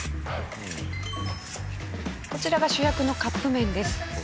こちらが主役のカップ麺です。